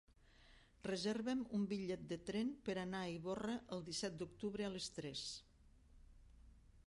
Reserva'm un bitllet de tren per anar a Ivorra el disset d'octubre a les tres.